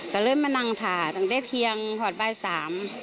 ก็เลยมานั่งถ่าตั้งแต่เที่ยงหอดบ่ายสาม